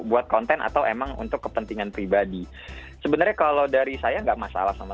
buat konten atau emang untuk kepentingan pribadi sebenarnya kalau dari saya enggak masalah sama